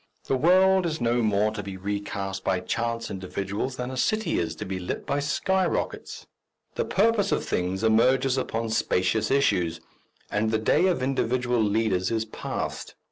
The world is no more to be recast by chance individuals than a city is to be lit by sky rockets. The purpose of things emerges upon spacious issues, and the day of individual leaders is past.